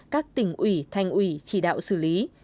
các tỉnh ủy thanh ủy chỉ đạo xử lý